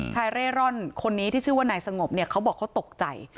เร่ร่อนคนนี้ที่ชื่อว่านายสงบเนี่ยเขาบอกเขาตกใจ